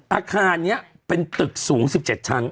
อาคารนี้เป็นตึกสูง๑๗ชั้น